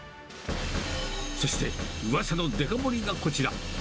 そしてうわさのデカ盛りがこちら。